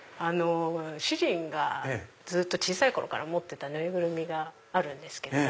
主人が小さい頃から持ってた縫いぐるみがあるんですけれども。